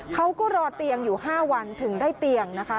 เขาก็รอเตียงอยู่๕วันถึงได้เตียงนะคะ